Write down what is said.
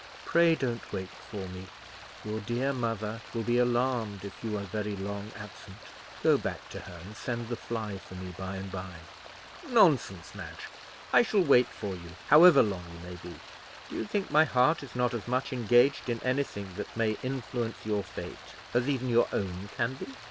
Pray, don't wait for me. Your dear mother will be alarmed if you are very long absent. Go back to her, and send the fly for me by and by." "Nonsense, Madge. I shall wait for you, however long you may be. Do you think my heart is not as much engaged in anything that may influence your fate as even your own can be?